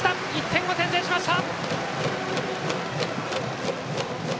１点を先制しました！